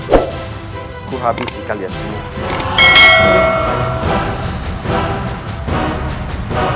aku habisi kalian semua